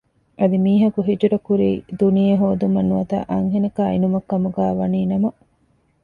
އަދި މީހަކު ހިޖުރަ ކުރީ ދުނިޔެ ހޯދުމަށް ނުވަތަ އަންހެނަކާ އިނުމަށް ކަމުގައި ވަނީ ނަމަ